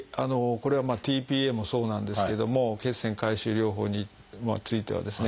これはｔ−ＰＡもそうなんですけども血栓回収療法についてはですね